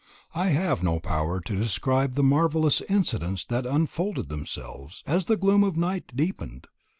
I have no power to describe the marvellous incidents that unfolded themselves, as the gloom of the night deepened.